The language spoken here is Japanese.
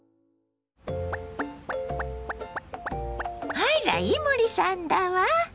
あら伊守さんだわ！